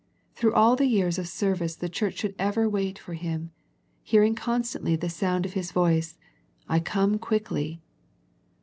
Through all the years of service the Church should ever wait for Him, hearing constantly the sound of His voice " I come quickly."